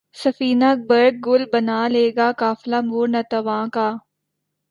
سفینۂ برگ گل بنا لے گا قافلہ مور ناتواں کا